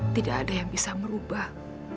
tidak ada yang bisa merubah